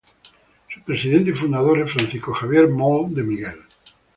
Su presidente y fundador es Francisco Javier Moll de Miguel.